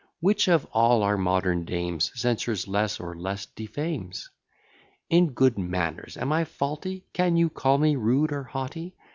Which of all our modern dames Censures less, or less defames? In good manners am I faulty? Can you call me rude or haughty?